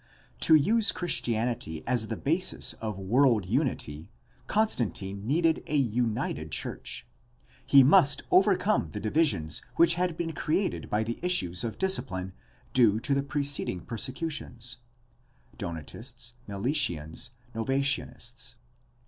To use Christianity as the basis of world unity Constantine needed a united church. He must over come the divisions which had been created by the issues of discipline due to the preceding persecutions (Donatists, Meletians, Novationists)